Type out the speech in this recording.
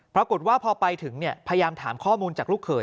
ปรากฏว่าพอไปถึงพยายามถามข้อมูลจากลูกเขย